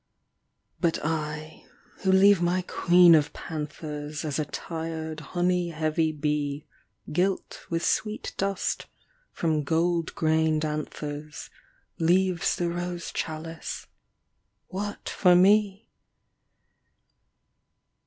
35 AT A MONTH'S END But I, who leave my queen of panthers, As a tired honey heavy bee Gilt with sweet dust from gold grained anthers Leaves the rose chalice, what for me